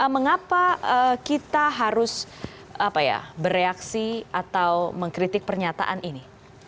mengapa kita harus bereaksi atau mengkritik pernyataan ini